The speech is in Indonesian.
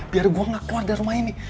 biar gue gak keluar dari rumah ini